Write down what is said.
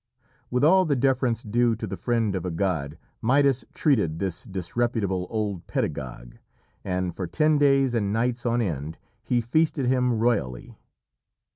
With all the deference due to the friend of a god Midas treated this disreputable old pedagogue, and for ten days and nights on end he feasted him royally.